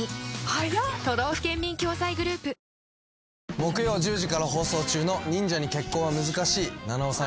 木曜１０時から放送中の『忍者に結婚は難しい』菜々緒さん